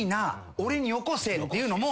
俺によこせ」っていうのも。